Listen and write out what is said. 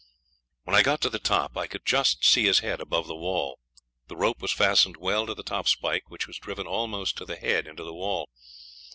When I got to the top I could just see his head above the wall. The rope was fastened well to the top spike, which was driven almost to the head into the wall.